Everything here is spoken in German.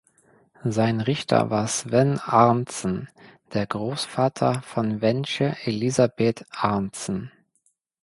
Sein Richter war Sven Arntzen, der Großvater von Wenche Elizabeth Arntzen.